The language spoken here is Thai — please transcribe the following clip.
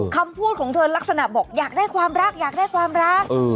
คำพูดของเธอลักษณะบอกอยากได้ความรักอยากได้ความรัก